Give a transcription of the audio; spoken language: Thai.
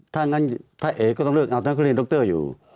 ถ้างั้นเอกก็ต้องเลือกเอาเอกก็เรียนดรกเตอร์อยู่